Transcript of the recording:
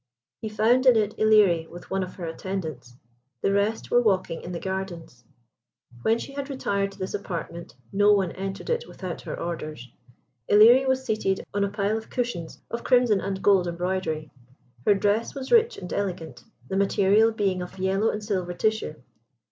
He found in it Ilerie with one of her attendants; the rest were walking in the gardens. When she had retired to this apartment, no one entered it without her orders. Ilerie was seated on a pile of cushions of crimson and gold embroidery. Her dress was rich and elegant, the material being of yellow and silver tissue.